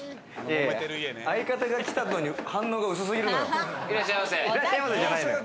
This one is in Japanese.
相方が来たのに反応が薄すぎるのよ。